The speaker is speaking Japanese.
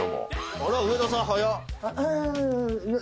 あら上田さん早っ。